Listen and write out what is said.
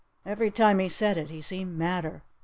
Every time he said it he seemed madder.